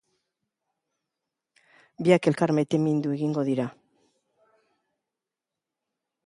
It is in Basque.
Biak elkar maitemindu egingo dira.